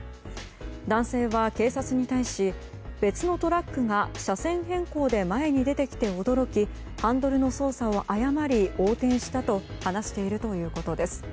男性は警察に対し別のトラックが車線変更で前に出てきて驚きハンドルの操作を誤り横転したと話しているということです。